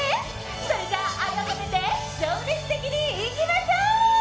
それじゃあ愛を込めて情熱的にいきましょう！